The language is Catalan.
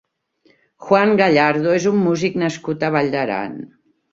Juan Gallardo és un músic nascut a Vall d’Aran.